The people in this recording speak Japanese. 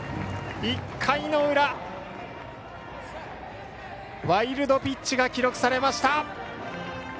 １回の裏、ワイルドピッチが記録されました。